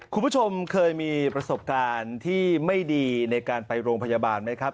คุณผู้ชมเคยมีประสบการณ์ที่ไม่ดีในการไปโรงพยาบาลไหมครับ